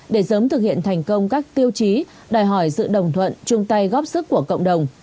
để sớm thực hiện thành công các tiêu chí đòi hỏi sự đồng thuận chung tay góp sức của cộng đồng